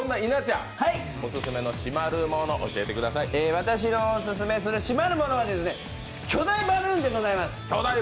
私のオススメする締まるものは巨大バルーンでございます。